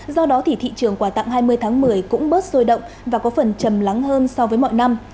do đó thì thị trường quà tặng hai mươi tháng một mươi cũng bớt sôi động và có phần trầm lắng hơn so với mọi năm